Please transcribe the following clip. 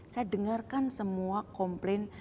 saya dengarkan semua komplain